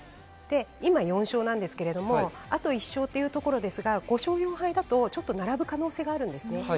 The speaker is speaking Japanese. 今、４勝なんですけれど、あと１勝というところですが５勝４敗だとちょっと並ぶ可能性があります。